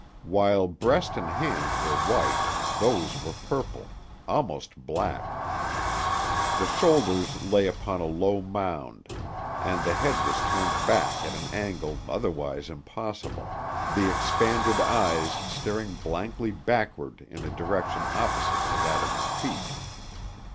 While breast and hands were white, those were purple—almost black. The shoulders lay upon a low mound, and the head was turned back at an angle otherwise impossible, the expanded eyes staring blankly backward in a direction opposite to that of the feet.